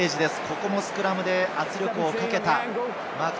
ここもスクラムで圧力をかけた。